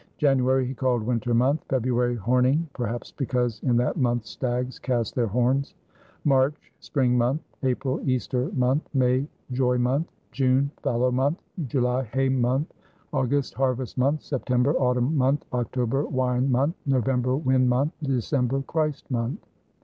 January he called Winter month; February, Horning (perhaps because in that month stags cast their horns) ; March, Spring month; April, Easter month; May, Joy month; June, Fallow month; July, Hay month; Au gust, Harvest month; September, Autumn month; Octo ber, Wine month; November, Wind month; December, Christ month.